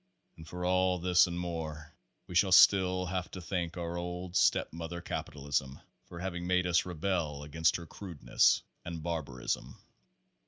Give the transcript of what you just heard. And for all this and more, we shall still have to thank our old step mother, Capitalism, for having made us rebels against her crudeness and barbarism.